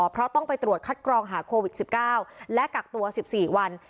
เพราะต้องไปตรวจคัดกรองหาโควิด๑๙และกักตัว๑๔วัน